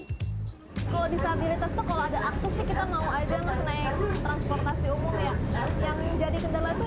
kalau disabilitas itu kalau ada akses kita mau saja naik transportasi umum